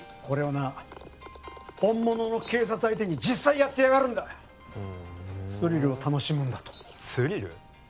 これをな本物の警察相手に実際やってやがるんだふんスリルを楽しむんだとスリル？